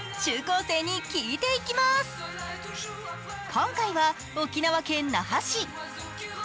今回は沖縄県那覇市。